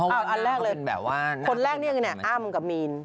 อันแรกเลยคนแรกนี่อ้ามครับกับมีน